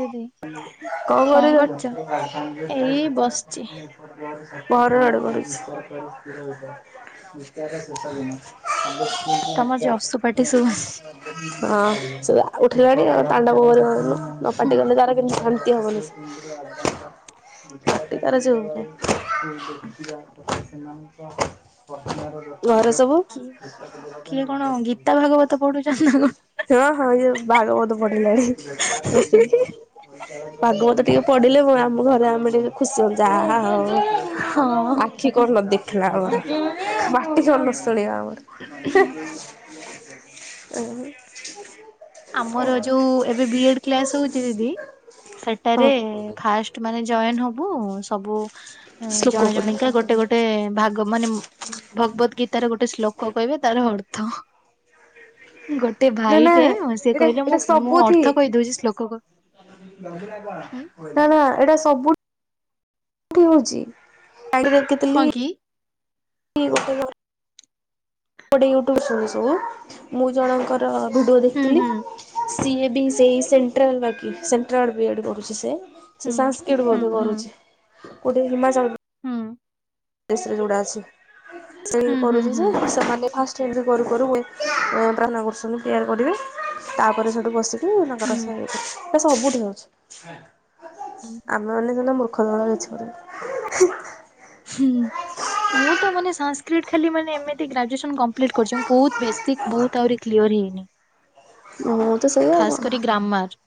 ଦିଦି ଏଇ ବସିଛି କରୁଛ? ମରଡ଼ କରୁଛି। ତମର ଯଶୁପାଟି ଶୁଭୁଛି। ଦିନ ହଁ ସେ ଉଠିଲାଣି ତାଣ୍ଡବ କରିବ ଏବେ ନ ପାଟି କଲେ ତାର କିନ୍ତୁ ଶାନ୍ତି ହବନି ସେ। ପାଟି ତାର ଚୁପ୍ ନାହିଁ। କି କିଏ କଣ ଗୀତା ଭାଗବତ ପଢୁଛନ୍ତି? ହଁ ହଁ ଇଏ ଭାଗବତ ପଢିଲାଣି। ଭାଗବତ ଟିକେ ପଢିଲେ ମୁ ଆମ ଘରେ ଆମେ ଟିକେ ଖୁସି ହୋଉ ଯାହା ହୋଉ ହଁ ଆଖି କଣ ନ ଦେଖିଲା ଆମର ମାଟି ତଳିଆ ଆମର ଆମର ଯୋଉ ଏବେ ବି ଏଡ କ୍ଲାସ ହଉଛି ଦିଦି ସେଟାରେ ଫାଷ୍ଟ ମାନେ ଜଏନ ହବୁ ସବୁ ଶ୍ଲୋକ ଜଣେ ପଢ଼। ଜଣିକା ଗୋଟେ ଗୋଟେ ଗୋଟେ ଭାଗ ମାନେ ଭଗବତ ଗୀତାରେ ଗୋଟେ ଶ୍ଳୋକ କହିବେ ତାର ଅର୍ଥ ଗୋଟେ ନା ନା ଭାଇଟେ ସେ ଏଇଟା କହିଲା ଏଇଟା ମୁଁ ମୁଁ ସବୁଥି ଅର୍ଥ କହିଦଉଛି ଶ୍ଳୋକକୁ ନା ନା ଏଇଟା ସବୁ ଠିକି ଅଛି। ହଁ [unintelligible] କି ଗୋଟେ ୟୁଟ୍ୟୁବ ସଲ ସବୁ ମୁଁ ଜଣଙ୍କର ଭିଡ଼ିଓ ହୁଁ ଦେଖିଥିଲି। ହୁଁ ସିଏ ବି ସେ ସେଟାଲ ବାକି ସେଟାଲ ଵ ଏ ଡ଼ ପଢୁଛି ସେ। ହୁଁ ସେ ସାସ୍କିଟ ହୁଁ ବୋ ହୁଁ କରୁଛି ଗୋଟେ ହିମାଚଳ ହୁଁ। ରେ ଯୋଡା ଅଛି ସେଇ ହୁଁ ହୁଁ କରୁଛି ହୁଁ ଯେ ସେମାନେ ଫାଷ୍ଟ ସେମିତି କରୁ କରୁ ହୁଏ ପ୍ରାର୍ନା କରୁସଛନ୍ତି ପ୍ରୟାର କରିବେ ତାପରେ ସେଇଠୁ ବସିକି ଙ୍କ ହୁଁ ର ସବୁଠି ହଉଛି ଆମେ ମାନେ ହେଲା [unintelligible] ହୁଁ। ମୁଁ ତ ମାନେ ସଂସ୍କ୍ରଟ ଖାଲି ମାନେ ଏମିତି ଗ୍ରାଜୁଏସନ କମ୍ପ୍ଲିଟ୍ କରିଛି ମୁଁ ବହୁତ ବେସିକ୍ ବହୁତ ଆହୁରି କ୍ଲିୟର ହେଇନି। ମୁଁ ତ ସେଇଆ ଆଉ ଖାସ କରି କଣ ଗ୍ରାମାର।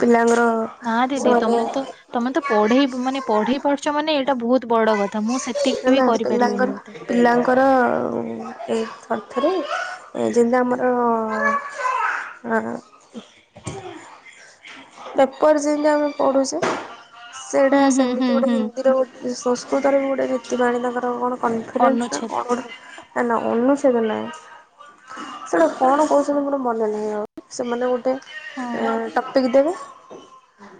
ପିଲାଙ୍କର ନା ଦିଦି ସେମାନେ ତମେ ତ ତମେ ତ ପଢେଇ ମାନେ ପଢେଇ ପାରୁଛ ମାନେ ଏଇଟା ବହୁତ ବଡ କଥା ମୁଁ ସେ ହେଲା ପିଲାଙ୍କର ପିଲାଙ୍କର ଏ ଥରେ ଥରେ ଯେମିତି ଆମର ଆଁ। ପେପର ଯେମିତି ଆମେ ପଢୁଛେ ସେଇଟା ହୁଁ ହୁଁ ସେମିତି ହୁଁ ଗୋଟେ ହୁଁ ହିନ୍ଦୀରେ ଗୋଟେ ସଂସ୍କୃତରେ ବି ଗୋଟେ ଜୀତିିବାଣୀ ତାଙ୍କର କଣ କନଫିଡେନ୍ସ ନା ଅନୁଚ୍ଛେଦ କଣ ଗୋଟେ ନା ନା ଅନୁଛେଦ ନାହିଁ। ସେଇଟା କଣ କହୁଛନ୍ତି ମୋଟେ ମନେ ନାହିଁ ଆଉ ସେମାନେ ଗୋଟେ ହଁ ଏ ଦେଇ ଦେବେ।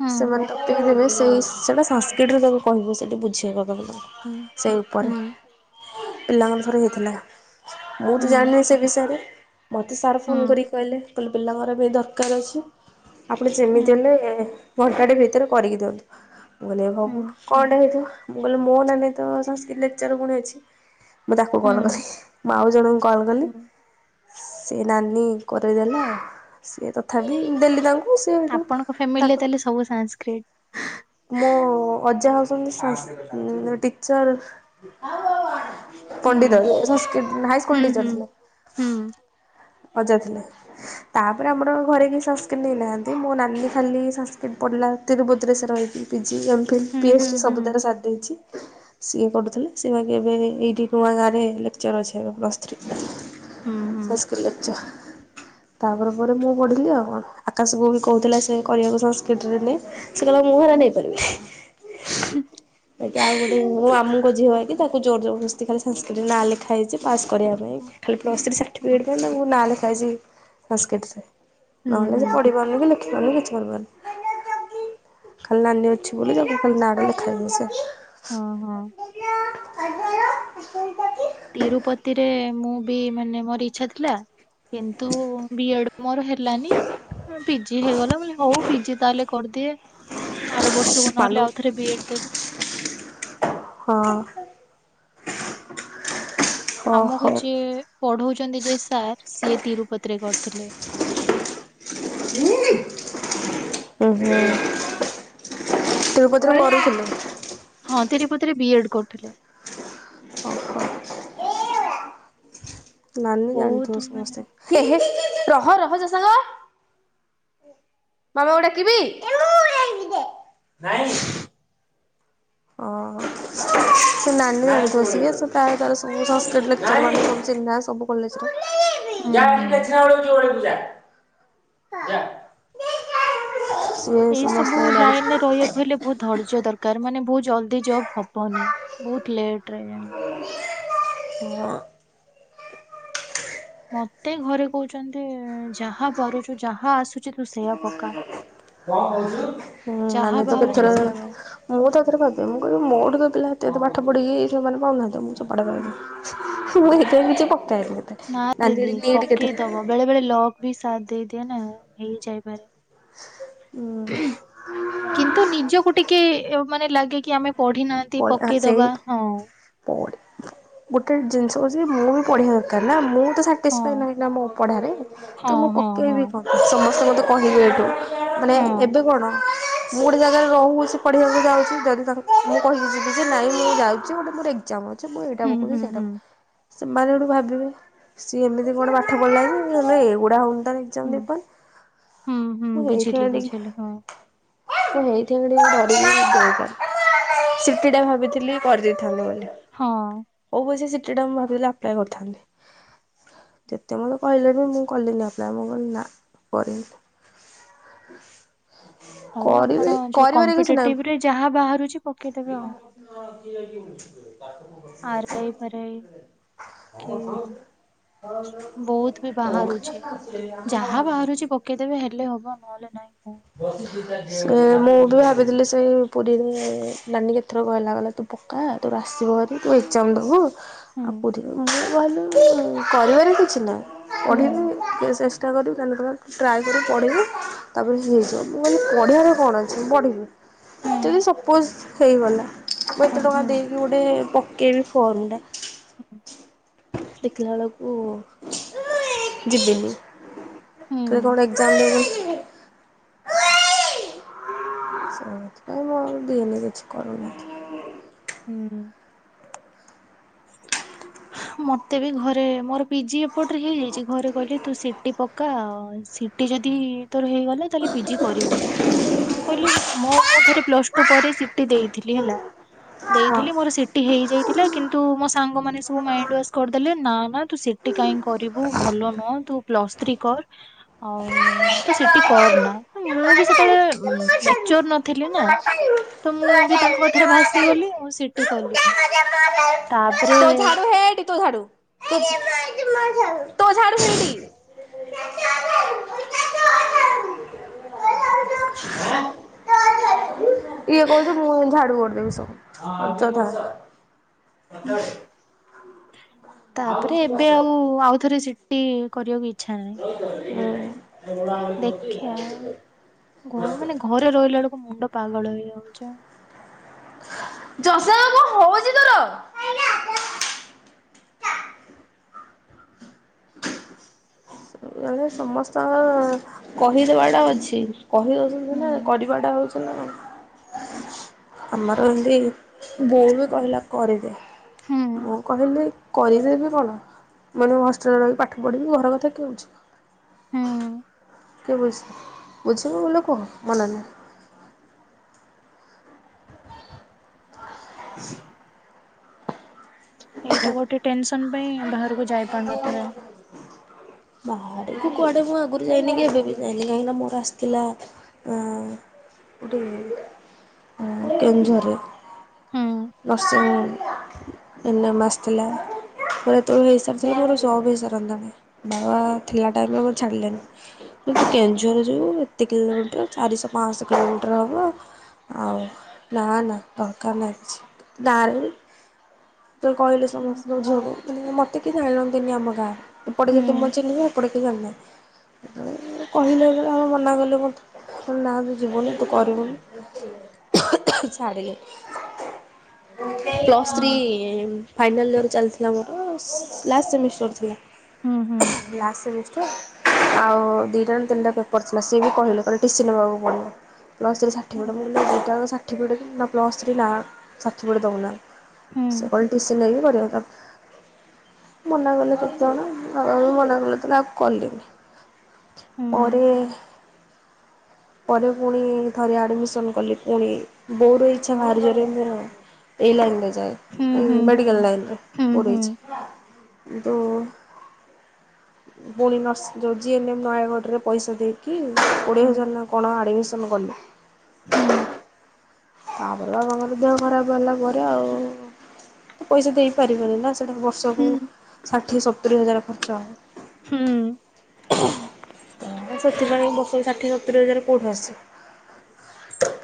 ହୁଁ ସେମାନେ ଟପିକି ଦେବେ ସେଇ ସେଟା ସାସ୍କୃତିରେ ତାକୁ କହିବୁ ସେଇଠି ବୁଝେଇବା କବ ହୁଁ ସେଇ ଉପରେ ହୁଁ ପିଲାଙ୍କ ଥରେ ହେଇଥିଲା। ମୁଁ ତ ହୁଁ ଜାଣିନି ସେ ବିଷୟରେ ମତେ ସାର୍ ଫୋନ ହୁଁ କରି କହିଲେ କହିଲେ ପିଲାଙ୍କର ବି ଦରକାର। ଦରକାର ଅଛି ଆପଣ ହୁଁ ଯେମିତି ହେଲେ ଘଣ୍ଟାଟେ ଭିତରେ କରିକି ଦିଅନ୍ତୁ। ମୁଁ କହିଲି ହୁଁ ହୋଉ କଣ ଟେ ହେଇଥିବ। ମୁଁ କହିଲେ ମୋ ନାନଲେ ତ ସଂସ୍କତ ଲେକ୍ଚର ପୁଣି ଅଛି ମୁଁ ତାକୁ କଲ ହୁଁ କଲି ମୁଁ ଆଉ ଜଣ କରଦେଲି। ହୁଁ ସେ ନାନୀ କରେଇଦେଲା ସିଏ ତଥାପି ଦେଲି ତାଙ୍କୁ ସିଏ ହେଠୁ ଆପଣଙ୍କ ଫ୍ୟାମିଲି ରେ ତାଙ୍କ ତାହେଲେ ସବୁ ଶାକ୍ରି ମୋ ଅଜା ହଉଛନ୍ତି ସା ଟିଚର ହୁଁ ପଣ୍ଡିତ ସାନକ୍ରି ହୁଁ ହାଇସ୍କୁଲ ଟିଚର ହୁଁ ଥିଲେ ହୁଁ ଅଜା ଥିଲେ। ତାପରେ ଆମର ଘରେ କି ସଂସ୍କତ ନେଇନାହାନ୍ତି ମୋ ନାନୀ ଖାଲି ସଂସ୍କତ ପଡିଲା ତିରୁଭଦ୍ର ସେ ରହି ପିଜିି ଏମ୍ଫିଲ୍ ହୁଁ ପି ଏଚ ହୁଁ ଡ଼ି ହୁଁ ସବୁଥିରେ ହୁଁ ସାରି ଦେଇଛି। ସିଏ କରୁଥିଲେ ସିଏ ବାକି ଏବେଇଏ ଗାଁରେ ଲେଚର ଅଛନ୍ତି ପ୍ଲଥ୍ରୀ ରେ। ହୁଁ ହାଇସ୍କୁଲ ଲେକଚର। ତାପ ପରେ ପରେ ମୁଁ ପଢ଼ିଲି ଆଉ କଣ ଆକାଶକୁବି କହୁଥିଲା ସେ କରିବାକୁ ସଂସ୍କୃତିରେ ନେଇ ସେ କହିଲା ମୁଁ ହେରା ହୁଁ ନେଇପାରିବିନି। ବାକି ଆଉ ଗୋଟେ ମୋ ମାମୁଁ ଙ୍କ ଝିଅ ହେମିତି ତାକୁ ଜୋର ଜରଦସ୍ତି ଖାଲି ସଂସ୍କୃତ ନାଁ ଲେଖା ହେଇଛି ପାସ୍ କରିବା ହୁଁ ପାଇଁ। ପ୍ଲସଥୀ ସାର୍ଟିଫିକେଟ ପାଇଁ ତାଙ୍କୁ ନାଁ ଲେଖା ହେଇଛି ସଂସ୍କୃତିରେ। ହୁଁ ନହେଲେ ସେ ହୁଁ ପଢିପାରୁନି କି ଲେଖିପାରୁନି କିଛି କରିପାରୁନି। ଖାଲି ନାନୀ ଅଛି ବୋଲି ତାକୁ ଖାଲି ନାଟା ଲେଖାଯାଇଛି। ହଁ ହଁ [unintelligible] ତିରୁପତିରେ ମୁଁ ବି ମାନେ ମୋର ଇଚ୍ଛା ଥିଲା। କିନ୍ତୁ ବି ଏଡ ମୋର ହେଲାନି। ପିଜି ହେଇଗଲା ବୋଲି ହଉ ପିଜି ତାହେଲେ କରିଦିଏ। ଆର ବର୍ଷକୁ ମାଲୋ ନହେଲେ ଆଉ ଥରେ ବି ଏ ଡ୍ ଦେବେ। ହଁ। ଓ ଆମକୁ ହଉ ଯିଏ ପଢଉଚନ୍ତି ଯିଏ ସାର୍ ସିଏ ତିରୁପତି ରେ କରିଥିଲେ। ଓହୋ। ତିରୁପତିରେ କରିଥିଲେ। ହଁ ତିରୁପତିରେ ବି ଏ ଡ୍ କରୁଥୁଲେ। ଓ ହୋ। ନାନୀ ଜାଣିଥିବେ ବହୁତ ସମସ୍ତେ ମାନେ ଏହେ ରହ ରହ ଜା ସାଙ୍ଗ। ମାମା କୁ ଡାକିବି? ଓହୋ ସେ ନାନୀ [unintelligible] ସେ ତାର ତାର ସବୁ ସାନସ୍କ୍ରିଟ ଲେକଚର୍ ମାନଙ୍କର ଚିହ୍ନା ସବୁ। କଲେଜ୍ ଟା। ହୁଁ ହୁଁ। [inaudible] ଏଇ ସବୁ ସମସ୍ତଙ୍କୁ ଜାଣିଛି ଲାଇନ ରେ ରହିବାକୁ ହେଲେ ବହୁତ ଧୈର୍ଯ୍ୟ ଦରକାର ମାନେ ବହୁତ ଜଲଦି ଜବ୍ ହବନି ବହୁତ ଲେଟ ରେ ଜାଣିବେ। [inaudible] ମତେ ଘରେ କହୁଚନ୍ତି ଯାହା ପାରୁଚୁ ଯାହା ଆସୁଚି ତୁ ସେୟା ପକା। ହୁଁ ଯାହା ନାନୀ ତ ବାହାରୁଛି ସେଇଆ ପକା। [unintelligible] ମୁଁ ତ ଏଥରେ ଭାବେ ମୁଁ କହିବି ମୋ ଠୁ ତ ପିଲା ଏତେ ଏତେ ପାଠ ପଢ଼ିକି ସେମାନେ ପାଉନାହାନ୍ତି ମୁଁ ଚୋପା ଟେ ହୁଁ, ପାଇବି ମୁଁ ହେଇଥିପାଇଁ କିଛି ପକାଏନି ହେତେ ନା ଦିଦି [unintelligible] ନିଟ୍ କେଥିରେ ପକେଇଦବ ବେଳେ ବେଳେ ଲକ୍ ବି ସାଦ ଦେଇଦିଏ ନା ହେଇ ଯାଇପାରେ। [unintelligible] ହୁଁ କିନ୍ତୁ ନିଜକୁ ଟିକେ ମାନେ ଲାଗେ କି ଆମେ ପଢି ନାହା [unintelligible] ସେଇ ପଡି ଗୋଟେ ଜିନିଷ ହଉଚି ମୁଁ ବି ପଢିବା ଦରକାର ନା ମୁଁ ତ ସା ହଁ ଟିସ୍ପାଏ ନାହିଁ ନା ମୋ ପଢାରେ ତ ହଁ ମୁଁ ହଁ ହଁ ପକେଇବି କଣ? ସମସ୍ତେ ମତେ କହିବେ ଏଇଠୁ ମାନେ ହଁ ଏବେ କଣ ମୁଁ ଗୋଟେ ଜାଗାରେ ରହୁଚି ପଢିବାକୁ ଯାଉଚି ଯଦି ତା [inaudible] କହିକି ଯିବି ଯେ ନାଇଁ ମୁଁ ଯାଉଚି ଗୋଟେ ମୋର ଏଗଜାମ୍ ଅଛି ମୁଁ ଏଇଟା ହୁଁ ପକଉଚି ହୁଁ ସେଇଟା ହୁଁ। ସେମାନେ ହେଉଠୁ ଭାବିବେ ସିଏ ଏମିତି କଣ ପାଠ ପଢ଼ିଲାକି ମାନେ ଏଗୁଡ଼ା ହଉନି ତା [unintelligible] [unintelligible] ହୁଁ ହୁଁ ହୁଁ ହେଉଥିବ ବୁଝିଲି ଟିକେ ବୁଝିଲି ହଁ ସେ ହେଇଥିବ କି ଟିକେ ଡରିକି ଦେଇପାରୁନି। ସି ଟି ଟା ଭାବିଥିଲି କରିଦେଇଥାନ୍ତି ବୋଲି। ହଁ। ହଉ ପଛେ ସି ଟି ଟା ମୁଁ ଭାବିଲି ଆପ୍ଲାଏ କରିଥାନ୍ତି। ଯେତେବେଳେ କହିଲେ ବି ମୁଁ କଲିନି ଅପ୍ଲାଏ ମୁଁ କହିଲି ନା କରି ହଉ ଆପଣ କରିବି ଯୋଉ କରିବାରେ କିଛି ନାଇଁ। କମ୍ପିଟେଟିଭ ରେ ଯାହା ବାହାରୁଚି। ଆରାଇ ଫାରାଇ [unintelligible] କି ବହୁତ ବି [unintelligible] ପକେଇଦେବି ହେଲେ ହବ ନହେଲେ ନାଇଁ ହଉ। ସେ ମୁଁ ବି ଭାବିଥିଲି ସେଇ ପୁରୀ ରେ ନାନୀ କେଥର କହିଲା କଇଲା ତୁ ପକା ତୋର ଆସିବ ହେରୀ ତୁ ଏଗଜାମ୍ ଦବୁ ହୁଁ ଆଉ ପୁରୀରେ ମୁଁ ଭାବିଲି [inaudible] କରିବାର କିଛି ନାଇଁ। ପଢ଼ିବୁ ହୁଁ ଚେ-ଚେଷ୍ଟା କରିବୁ ତାଲେ ତୋର ଟ୍ରାଏ କରିବୁ ପଢ଼ିବୁ ତାପରେ ହୁଁ ହେଇଯିବ ମୁଁ କଇଲି ପଢ଼ିବାରେ କଣ ଅଛି ପଢ଼ିବି ହୁଁ ଯଦି ବି ସପୋଜ ହେଇଗଲା। ମୁଁ ହୁଁ ଏତେ ଟଙ୍କା ହୁଁ ଦେଇକି ଗୋଟେ ପକେଇବି ଫର୍ମ ଟା। ହୁଁ ଦେଖିଲା ବେଳକୁ ଯିବିନି। ହୁଁ ତୁ କଣ ଏଗଜାମ୍ [inaudible] ସେଇଥିପାଇଁ ମୁଁ ଆଉ ଦିଏନି କିଛି କରୁନଥି ହୁଁ ମତେ ବି ଘରେ ମୋର ପିଜି ଏପଟରେ ହେଇଯାଇଛି ଘରେ କହିଲେ ତୁ ସିଟି ପକା ଆଉ। ସିଟି ଯଦି ତୋର ହେଇଗଲା ତାହେଲେ ପିଜି କରିବୁନି। ମୁଁ କହିଲି ମ ମୁଁ ଥରେ ପ୍ଲସ ଟୁ ପରେ ସିଟି ଦେଇଥିଲି ହେଲା ହଁ। ଦେଇଥିଲି ମୋର ସିଟି ହେଇଯାଇଥିଲା କିନ୍ତୁ ତୁ ମୋ ସାଙ୍ଗମାନେ ସବୁ ମାଇଣ୍ଡ ୱାସ କରିଦେଲେ ନା ନା ତୁ ସିଟି କାଇଁ କରିବୁ ଭଲ ନୁହଁ ତୁ ପ୍ଲସ ଥ୍ରୀ କର ଆଉ ତୁ ସିଟି କରନା ମୁଁ ବି ସେତେବେଳେ ମେଚ୍ୱର ନଥିଲି ନା। ତ ମୁଁ ବି ତାଙ୍କ କଥାରେ ଭାସିଗଲି ଆଉ ସିଟି କଲିନି। [unintelligible] ତାପରେ ହେଇଠି ଥୋ ଝାଡୁ। ତ [unintelligible] ହଁ [inaudible] ହ [inaudible] କିଏ କହୁଛ ମୁଁ [unintelligible] ଝାଡୁ କରଦେବି ସବୁ ଅଯଥା ରେ [inaudible] ତାପରେ ଏବେ ଆଉ ଆଉଥରେ ଶିଟି କରିବାକୁ ଇଚ୍ଛା ନାହିଁ। ହୁଁ। ଦେଖିଆ ମାନେ ଘରେ ରହିଲା ବେଳକୁ ମୁଣ୍ଡ ପାଗଳ ହେଇଯାଉଚି। ଚଶମା କଣ ହଉଛି ତୋର ହ [unintelligible] ଘରେ ସମସ୍ତଙ୍କ କହିଦବାଟା ଅଛି କହି ଦଉଛନ୍ତି ହୁଁ ନା କରିବାଟା ହଉଛି ନା ଆମର ଏମତି ବୋଉ ବି କହିଲା କରିଦେ ହୁଁ ମୁଁ କହିଲି କରିଦେବି କଣ ମାନେ ମୁଁ ହଷ୍ଟେଲରେ ରହିିକି ପାଠ ପଢ଼ିବି ଘର କଥା କିଏ ବୁଝିବ। ହୁଁ କିଏ ବୁଝ ବୁଝିବ ବୋଲି କୁହ ମନା ନାହିଁ। ଏଇଟା ଗୋଟେ ଟେନସନ ପାଇଁ ବାହାରକୁ ଯାଇ ପାରୁନଥିବେ। [inaudible] ମୁଁ କୁଆଡ଼େ ମୁଁ ଆଗରୁ ଯାଇନି କି ଏବେ ବି ଯାଇନି କାହିଁକିନା ମୋର ଆସିଥିଲା ଆଁ [unintelligible] କେଉଁଝରରେ ହୁଁ ନୋସିଂ [unintelligible] ତିନି ମାସ ଥିଲା ମୋର ଏତେବେଳକୁ ହେଇସାରିଥିଲେ ମୋର ଯବ ହେଇସାରନ୍ତାଣି। ବାବା ମାମ ଥିଲା ଟାଇମରେ ମତେ ଛାଡିଲେନି। କେଉଁଝର ଯିବୁ ଏତେ କିଲୋମିଟର ଚାରିଶହ ପାଶହ କିଲୋମିଟର ହବ। ଆଉ ନା ନା ଦରକାର ନାଇଁ କିଛି ଗାଁରେ ତ କହିଲେ ହୁଁ ସମସ୍ତଙ୍କୁ ଭଉଣୀ ମୁ ମତେ କେଇ ଜାଣିନ୍ତିନି ଆମ ଗାଁ ଏପଟେ ହୁଁ ଯଦି ମୋ ଚିହ୍ନବା ଏପଟେ କେହି ଜାଣି ନାହାନ୍ତି କହିଲେ ଯେତେବେଳେ ଆମେ ମନା କଲୁ ବତ ନା ତୁ ଜୀବୁନି ତୁ କରିବୁନି ଛାଡିଲେନି [unintelligible] ପ୍ଲସ୍ ଥ୍ରୀ ଫାଇନାଲ୍ ଇୟର ଚାଲିଥିଲା ମୋର ଲାଷ୍ଟ ସେମିଷ୍ଟର ଥିଲା ହୁଁ ହୁଁ ଲାଷ୍ଟ ସେମିଷ୍ଟର ଆଉ ଦିଟା ନା ତିନିଟା ପେପର ଥିଲା ସିଏ ବି କହିଲେ ଟିସି ନେବାକୁ ପଡିବ। ପ୍ଲ ଥ୍ରି ହୁଁ ଷାଠିଫିକେଟ୍ ମୁ କଇଲି ଦିଇଟା ଙ୍କ ଶାଠିଫିକେଟ ପ୍ଲସ ଥ୍ରି ନାଁ ଷାଠିଫିକେଟ୍ ଦଉନା ହୁଁ ସେ କହୀଲେ ଟିସି ନେଇକି କରିବତ। ମନା କଲେ କେତେଜଣ ବାବା ବି ମନା କଲେ ଯେତେବଳେ ଆଉ କଲିନି ହୁଁ ପଢି ପରେ ପୁଣି ଥରେ ଆଡ଼ମିସନ୍ କଲେ ପୁଣି ବୋଉର ଇଚ୍ଛା ଭା ଜୋରେ ମୋର ଏଇ ଲାଇନ୍ ରେ ହୁଁ ଯାଏ। ହୁଁ ମେଡ଼ିକଲ ହୁଁ ହୁଁ ହୁଁ ଲାଇନ୍ରରେ। [unintelligible] ପୁଣି ନର୍ସ ଯେଉଁ ଜିଏନ୍ଏମ୍ ନୟାଗଡ଼ରେ ପଇସା ଦେଇକି କୋଡ଼ିଏ ହୁଁ ହଜାର ନା କଣ ଆଡ଼ମିସନ୍ କଲି। ହୁଁ ତାପରେ ବାବାଙ୍କର ଦେହ ଖରାପ ହେଲା ପରେ ଆଉ ତ ପଇସା ଦେଇପାରିବନି ନା। [unintelligible] ବର୍ଷକୁ ହୁଁ ଷାଠିଏ ସତୁରି ହଜାର ଖର୍ଚ୍ଚ ହୁଁ ହବ। ତ ସେଥିପାଇଁ ବର୍ଷ ଷାଠିଏ ସତୁରି ହଜାର କୋଉଠୁ ଆସବ।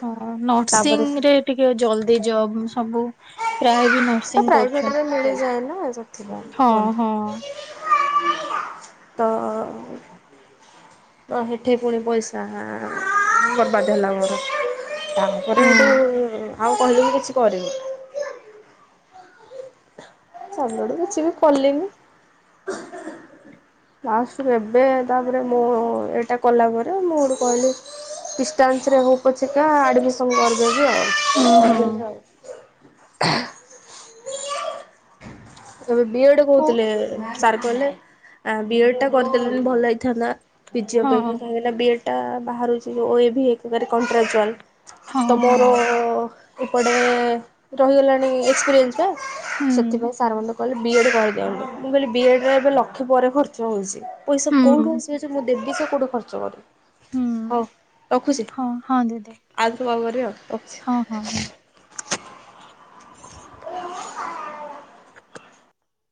ହଁ ନର୍ସିଂ ତାପରେ ରେ ଟିକେ ଜଲଦି ଜବ ସବୁ ପ୍ରାୟ ବି ନର୍ସିଂ କରୁଛନ୍ତି। ଥିଲା ବନ୍ଧୁ ହଁ ହଁ ତ ତ ହେଠେ ପୁଣି ପଇସା ବରବାଦ ହେଲା ମୋର। ତା ପରେ ହୁଁ ହେଠୁ ଆଉ କହିଲିନି କିଛି କରିବି [unintelligible] କିଛି ବି। କଲିିନି ଲାଷ୍ଟ କୁ ଏବେ ତାପରେ ମୋ ହଉ ଏଟା କଲା ପରେ ମୁଁ ହେଠୁ କହିଲି ଡିଷ୍ଟାନ୍ସ ରେ ହଉ ପଛକା ଆଡମିସନ କରିଦେବି ଆଉ। ହୁଁ ହୁଁ [unintelligible] ଏବେ ବି ଏଡ କୋଉ କରୁଥିଲି। ସାର୍ କହିଲେ ଆଁ ବି ଏଡ୍ ଟା କରିଦେଲୁନି ଭଲ ହେଇଥାନ୍ତା ପିଜି ହଁ ଅପେକ୍ଷା ସା ହେ ବି ଏଡ଼୍ ଟା ବାହାରୁଛି ଓ ଏ ଭି ଏକକରେ କଣ୍ଟ୍ରାଚୁଆଲ ହଁ ତ ହଁ ମୋରୋ ଏପଟେ ରହିଗଲାଣି ଏକ୍ସପିରିଏନ୍ସ ପା ହୁଁ ସେଥିପାଇଁ ସାର୍ ମାନେ କହିଲେ ବିଏଡ୍ କରିଦିଅନ୍ତୁ ମୁଁ କହିଲି ବିଏଡ ରେ ଏବେ ଲକ୍ଷ ପରେ ଖର୍ଚ୍ଚଉଛି ପଇସା କଉଠୁ ହୁଁ ଆସ ପଇସା ମୁଁ ଦେବି ସେ କୋଉଠି ଖର୍ଚ୍ଚ କରିବି। ହୁଁ ହଉ ରଖୁଛି ହଁ ହଁ ଦିଦି ଆଉ [unintelligible] ରଖୁଛି। ହଁ ହଁ ହଁ।